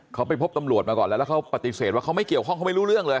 เขาไปพบตำรวจมาก่อนแล้วแล้วเขาปฏิเสธว่าเขาไม่เกี่ยวข้องเขาไม่รู้เรื่องเลย